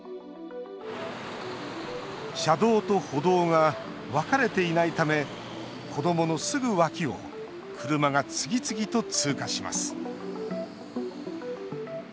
車道と歩道が分かれていないため子どものすぐ脇を車が次々と通過します。